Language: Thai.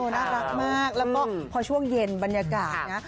น่ารักมากแล้วก็พอช่วงเย็นบรรยากาศนะ